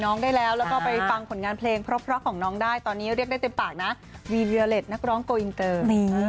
ขอบคุณแล้วก็ขอโทษมากเลย